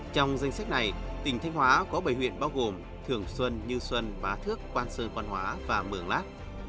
trong danh sách này tỉnh thanh hóa có bảy huyện bao gồm thường xuân như xuân bá thước quan sơn quan hóa và mường lát